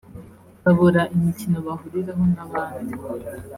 babura imikino bahuriraho n’abandi